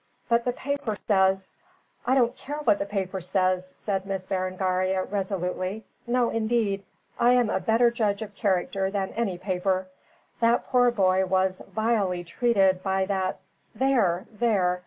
"But the paper says " "I don't care what the paper says," said Miss Berengaria, resolutely. "No, indeed. I am a better judge of character than any paper. That poor boy was vilely treated by that there! there!